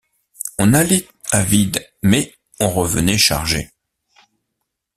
On allait à vide, mais on revenait chargé.